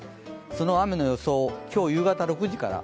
その雨の予想、今日夕方６時から。